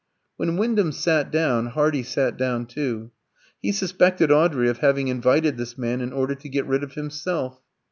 When Wyndham sat down, Hardy sat down too. He suspected Audrey of having invited this man in order to get rid of himself.